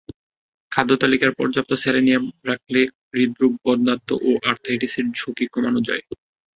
খাদ্যতালিকায় পর্যাপ্ত সেলেনিয়াম রাখলে হৃদরোগ, বন্ধ্যাত্ব ও আর্থ্রাইটিসের ঝুঁকি কমানো যায়।